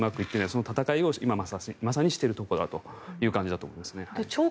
その戦いを今まさにしているところだということだと思います。